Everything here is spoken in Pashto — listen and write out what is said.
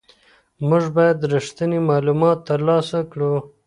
موږ باید ریښتیني معلومات ترلاسه کړو.